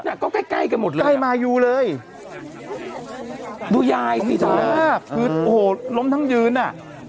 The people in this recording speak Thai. เนี่ยก็ใกล้ใกล้กันหมดเลยใกล้มาอยู่เลยดูย่ายคือโหล้มทั้งยืนน่ะ